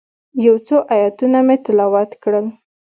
یو څو آیتونه مې تلاوت کړل.